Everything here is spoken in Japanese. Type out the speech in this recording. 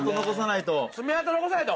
残さないと。